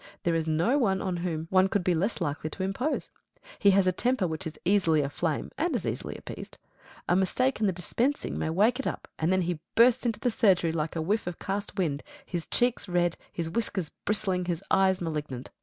There is no one on whom one could be less likely to impose. He has a temper which is easily aflame and as easily appeased. A mistake in the dispensing may wake it up and then he bursts into the surgery like a whiff of cast wind, his checks red, his whiskers bristling, and his eyes malignant.